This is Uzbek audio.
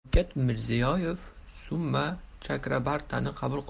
Shavkat Mirziyoyev Suma Chakrabartini qabul qildi